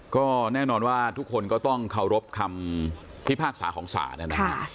ก็แน่นอนว่าทุกคนก็ต้องเคารพคำพิพากษาของศาลนะครับ